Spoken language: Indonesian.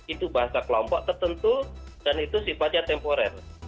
itu bahasa kelompok tertentu dan itu sifatnya temporer